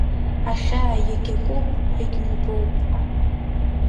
Ахьаа иагьакуп, иагьыҩбоуп.